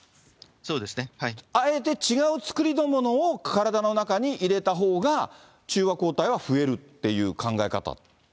あえて違う作りのものを体の中に入れたほうが、中和抗体は増えるっていう考え方？